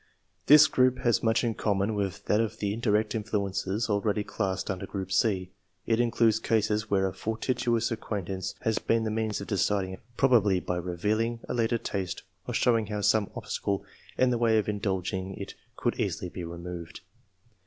This group has much in common with that of the indirect influences already classed under group c; it includes cases where a fortuitous acquaintance has been the means of deciding a career, probably by revealing a latent taste, or showing how some obstacle in the way of in dulging it could easily be removed.